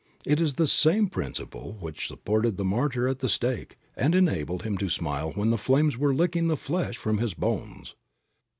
It is the same principle which supported the martyr at the stake and enabled him to smile when the flames were licking the flesh from his bones.